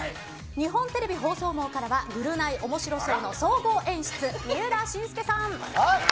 日本テレビ放送網からはぐるナイおもしろ荘の総合演出、三浦伸介さん。